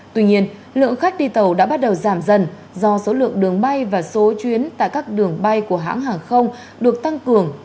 tuy nhiên lượng khách đi tàu đã bắt đầu giảm dần do số lượng đường bay và số chuyến tại các đường bay của hãng hàng không được tăng cường